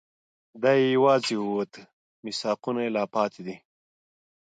دی یواځي ووت، میثاقونه یې لا پاتې دي